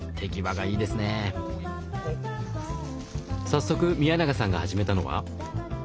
早速宮永さんが始めたのは？